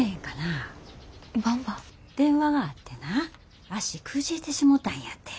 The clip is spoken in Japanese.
電話があってな足くじいてしもたんやて。